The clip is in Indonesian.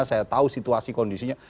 saya tahu situasi kondisinya